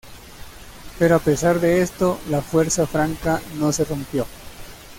Pero a pesar de esto, la fuerza franca no se rompió.